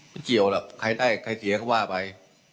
ไม่เกี่ยวแหละใครได้ใครเสียเขาว่าไป